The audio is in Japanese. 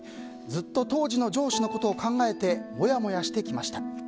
ずっと当時の上司のことを考えてもやもやしてきました。